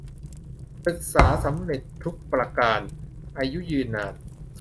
ศึกษาสำเร็จทุกประการ อายุยืนนาน